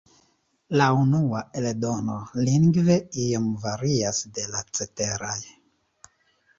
La unua eldono lingve iom varias de la ceteraj.